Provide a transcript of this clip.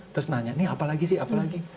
terus nanya nih apa lagi sih apa lagi